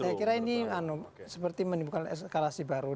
saya kira ini seperti menimbulkan eskalasi baru